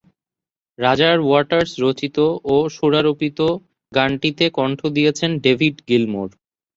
Roger Waters রচিত ও সুরারোপিত গানটিতে কণ্ঠ দিয়েছেন ডেভিড গিলমোর।